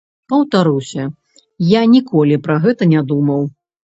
Паўтаруся, я ніколі пра гэта не думаў.